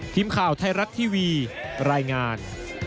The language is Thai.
ทีมข่าวไทยรัฐทีวีรายงาน